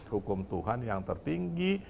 hukum tuhan yang tertinggi